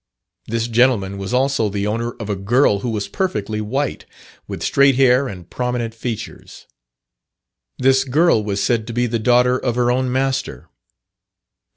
This gentleman was also the owner of a girl who was perfectly white, with straight hair and prominent features. This girl was said to be the daughter of her own master.